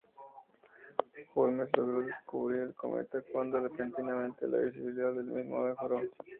Holmes logró descubrir el cometa cuando repentinamente la visibilidad del mismo mejoró.